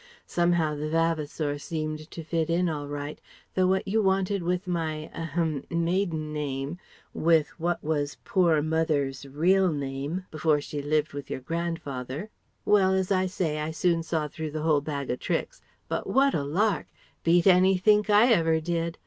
Somehow the 'Vavasour' seemed to fit in all right, though what you wanted with my ahem maiden name, with what was pore mother's reel name, before she lived with your grandfather Well as I say, I soon saw through the whole bag o' tricks But what a lark! Beat anythink I ever did.